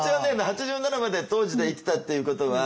８７まで当時で生きたっていうことは。